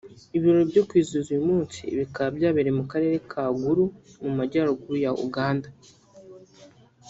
Ibirori byo kwizihiza uyu munsi bikaba byabereye mu karere ka Gulu mu majyaruguru ya Uganda